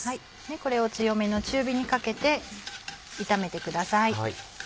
これを強めの中火にかけて炒めてください。